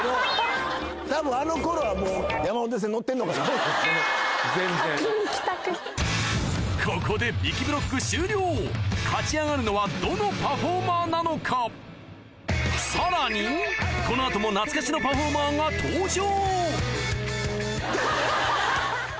多分あのころはもう全然先に帰宅ここでびきブロック終了勝ち上がるのはどのパフォーマーなのかさらにこのあとも懐かしのパフォーマーが登場！